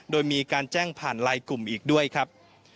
โดยมีการแจ้งผ่านไลน์กลุ่มอีกด้วยครับ